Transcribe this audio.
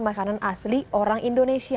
makanan asli orang indonesia